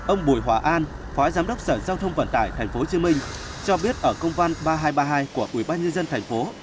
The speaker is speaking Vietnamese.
ông bùi hòa an phó giám đốc sở giao thông vận tải tp hcm cho biết ở công văn ba nghìn hai trăm ba mươi hai của ubnd tp